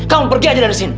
kamu pergi aja dari sini